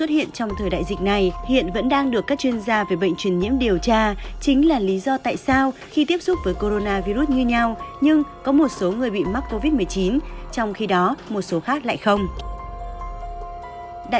hãy đăng ký kênh để ủng hộ kênh của chúng mình nhé